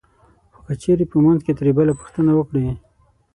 خو که چېرې په منځ کې ترې بل پوښتنه وکړي